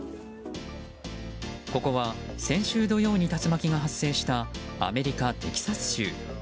ここは先週土曜に竜巻が発生したアメリカ・テキサス州。